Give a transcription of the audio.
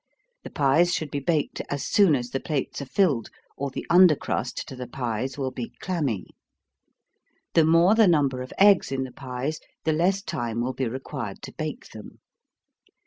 The pies should be baked as soon as the plates are filled, or the under crust to the pies will be clammy. The more the number of eggs in the pies, the less time will be required to bake them.